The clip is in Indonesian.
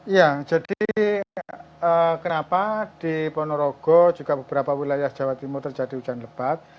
ya jadi kenapa di ponorogo juga beberapa wilayah jawa timur terjadi hujan lebat